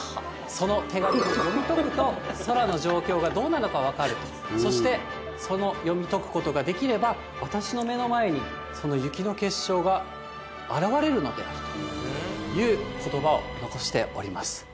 その手紙を読み取ると、空の状況がどうなのか分かる、そして、その読み解くことができれば、私の目の前に、その雪の結晶が現れるのであるということばを残しております。